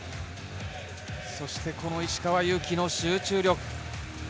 そして石川祐希の集中力。